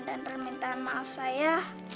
dan permintaan maaf saya